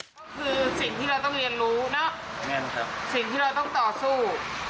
ก็คือสิ่งที่เราต้องเรียนรู้เนอะสิ่งที่เราต้องต่อสู้